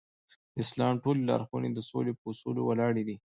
د اسلام ټولې لارښوونې د سولې په اصول ولاړې دي.